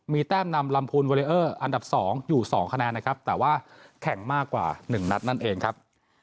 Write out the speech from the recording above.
มีแต้มนำลำพูนเวอเรเออร์อันดับ๒อยู่๒คะแนนนะครับแต่ว่าแข่งมากกว่า๑นัดนั่นเองครับ